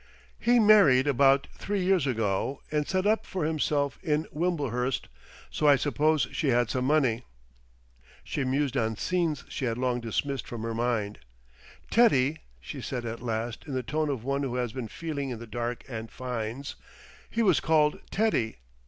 "He married about three years ago, and set up for himself in Wimblehurst.... So I suppose she had some money." She mused on scenes she had long dismissed from her mind. "Teddy," she said at last in the tone of one who has been feeling in the dark and finds. "He was called Teddy...